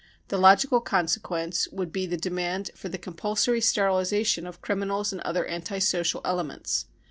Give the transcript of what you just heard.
The logical consequence would be the demand for the compulsory sterilisation of criminals and other anti social elements.